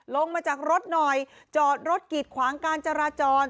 ลงมาจากรถหน่อยจอดรถกีดขวางการจราจร